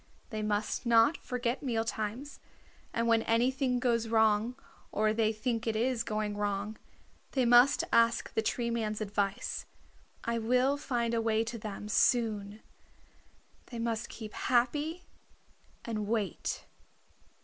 They must not forget meal times, and when anything goes wrong, or they think it is going wrong, they must ask the Tree Man's advice. I will find a way to them soon. They must keep happy and wait."